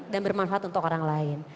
dan bermanfaat untuk orang lain